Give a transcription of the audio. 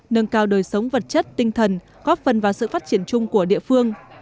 nâng cao đời sống vật chất tinh thần góp phần vào sự phát triển chung của địa phương